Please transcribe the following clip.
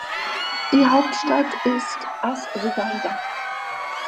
Die Hauptstadt ist as-Suwaida.